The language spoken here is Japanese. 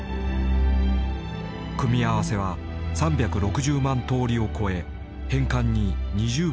組み合わせは３６０万通りを超え変換に２０秒もかかる。